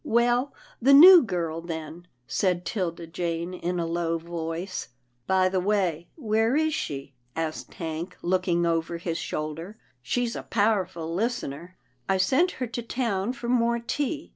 " Well, the new girl, then," said 'Tilda Jane in a low voice. " By the way, where is she ?" asked Hank, look ing over his shoulder, " she's a powerful lis tener." " I sent her to town for more tea.